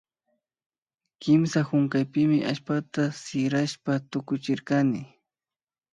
Kimsa hunkaypimi tallpata sirashpa tukuchirkani